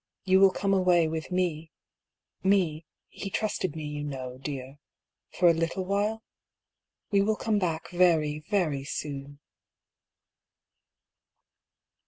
You will come away with me, me (he trusted me, you know, dear), for a little while? We will come back very, very soon